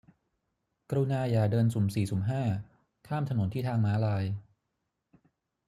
กรุณาอย่าเดินสุ่มสี่สุ่มห้า ข้ามถนนที่ทางม้าลาย